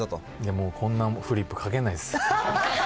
もうこんなフリップ書けないです。